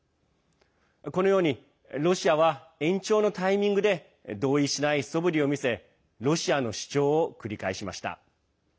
このようにロシアは延長のタイミングで同意しないそぶりを見せロシアの主張を繰り返しました。